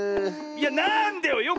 いやなんでよ